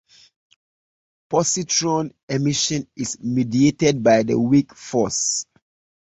Positron emission is mediated by the weak force.